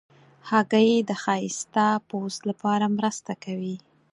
هګۍ د ښایسته پوست لپاره مرسته کوي.